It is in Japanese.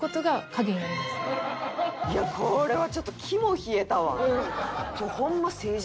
いやこれはちょっと肝冷えたわ。